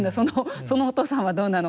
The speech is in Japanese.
そのお父さんはどうなのか。